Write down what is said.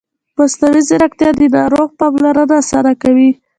مصنوعي ځیرکتیا د ناروغ پاملرنه اسانه کوي.